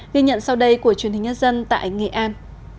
ghi nhận sau đây của truyền hình nhân dân tại nghệ an